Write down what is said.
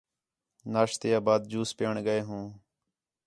ناشتے بعد جوس پیئن ڳئے ہوں